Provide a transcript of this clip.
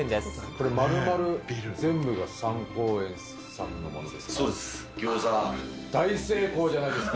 これ丸々全部が三幸園さんのものですか。